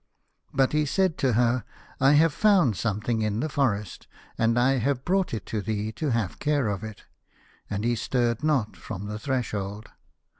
But he said to her, " I have found some thing in the forest, and I have brought it to thee to have care of it," and he stirred not from the threshold.